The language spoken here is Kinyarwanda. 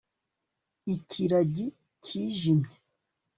Ikiragi cyijimye